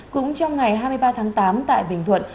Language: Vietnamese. cũng trong ngày hai mươi ba tháng tám tại bình thuận